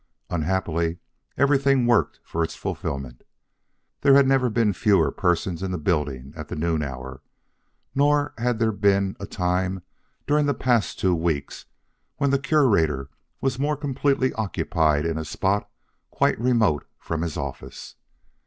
Unhappily, everything worked for its fulfillment. There had never been fewer persons in the building at the noon hour; nor had there been a time during the past two weeks when the Curator was more completely occupied in a spot quite remote from his office.